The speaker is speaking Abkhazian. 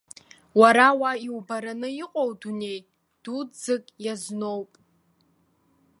Уара уа иубараны иҟоу дунеи дуӡӡак иазноуп.